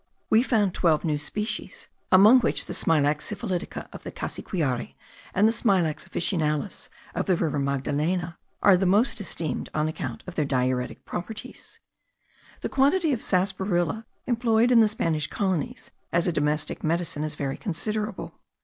We found twelve new species, among which the Smilax siphylitica of the Cassiquaire, and the Smilax officinalis of the river Magdalena, are most esteemed on account of their diuretic properties. The quantity of sarsaparilla employed in the Spanish colonies as a domestic medicine is very considerable.